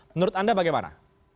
menurut anda bagaimana